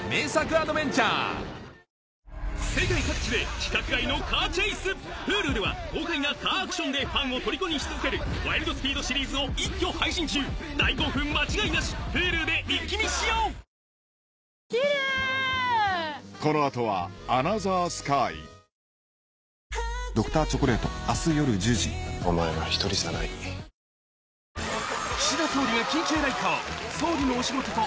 アドベンチャー世界各地で規格外のカーチェイスＨｕｌｕでは豪快なカーアクションでファンをとりこにし続ける『ワイルド・スピード』シリーズを一挙配信中大興奮間違いなしＨｕｌｕでイッキ見しよう「和紅茶」が無糖なのは、理由があるんよ。